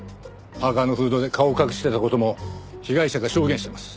パーカのフードで顔を隠してた事も被害者が証言してます。